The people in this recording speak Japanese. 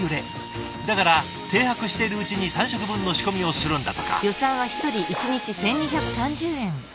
だから停泊しているうちに３食分の仕込みをするんだとか。